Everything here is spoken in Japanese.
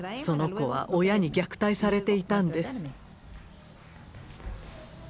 その子は親に虐待されていたんです。